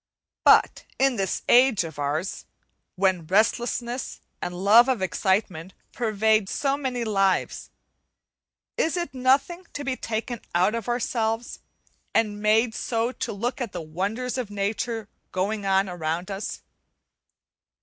But in this age of ours, when restlessness and love of excitement pervade so many lives, is it nothing to be taken out of ourselves and made to look at the wonders of nature going on around us?